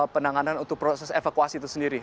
penanganan untuk proses evakuasi itu sendiri